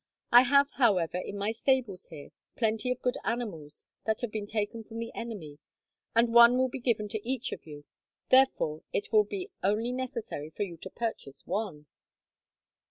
I have, however, in my stables here, plenty of good animals that have been taken from the enemy, and one will be given to each of you. Therefore, it will be only necessary for you to purchase one.